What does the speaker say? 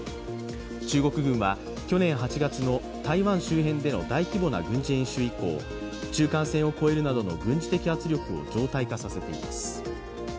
中国軍は去年８月の台湾周辺での大規模な軍事演習以降、中間線を越えるなどの軍事的圧力を常態化させています。